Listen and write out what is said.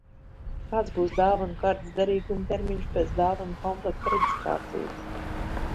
Kāds būs dāvanu kartes derīguma termiņš pēc dāvanu komplekta reģistrācijas?